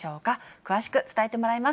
詳しく伝えてもらいます。